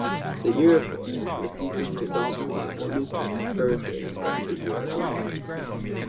The Iroquois were seeking to dominate the lucrative fur trade with the Europeans.